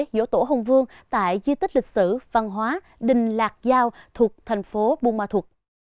dỗ tổ hồng vương tại di tích lịch sử văn hóa đình lạc giao thuộc thành phố bù ma thuộc